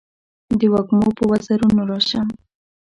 د وږمو په وزرونو راشم